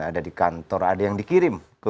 ada di kantor ada yang dikirim